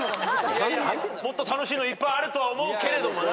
もっと楽しいのいっぱいあるとは思うけれどもな。